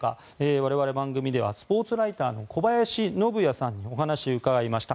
我々、番組ではスポーツライターの小林信也さんにお話を伺いました。